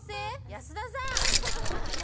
保田さん！